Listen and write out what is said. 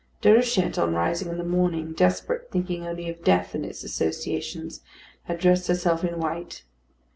Déruchette, on rising in the morning, desperate, thinking only of death and its associations, had dressed herself in white.